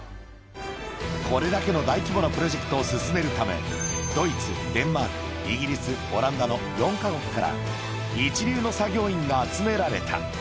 これだけの大規模なプロジェクトを進めるため、ドイツ、デンマーク、イギリス、オランダの４か国から、一流の作業員が集められた。